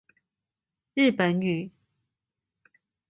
日本語